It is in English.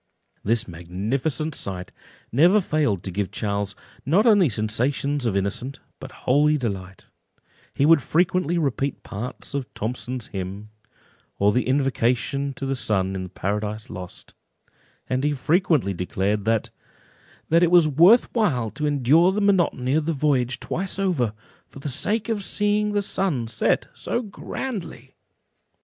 This magnificent sight never failed to give Charles not only sensations of innocent, but holy delight; he would frequently repeat parts of Thomson's hymn, or the invocation to the sun in the Paradise Lost; and he frequently declared "that it was worth while to endure the monotony of the voyage twice over, for the sake of seeing the sun set so grandly."